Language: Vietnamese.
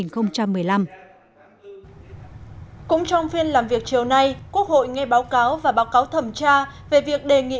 cũng trong phiên làm việc chiều nay quốc hội nghe báo cáo và báo cáo thẩm tra về việc đề nghị